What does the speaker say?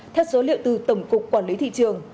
theo số liệu từ tổng cục quản lý thị trường